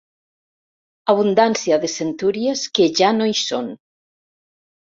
Abundància de centúries que ja no hi són.